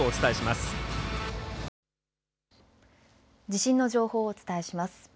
地震の情報をお伝えします。